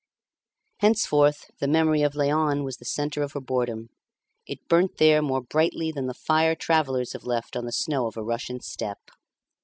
Henceforth the memory of Léon was the centre of her boredom; it burnt there more brightly than the fire travellers have left on the snow of a Russian steppe.